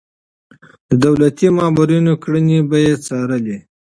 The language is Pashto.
د دولتي مامورينو کړنې به يې څارلې.